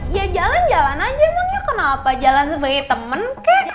ya jalan jalan aja emang ya kenapa jalan sebagai teman